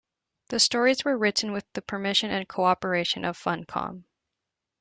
The stories were written with the permission and cooperation of Funcom.